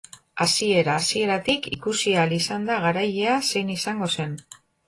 Hasiera-hasieratik ikusi ahal izan da garailea zein izango zen.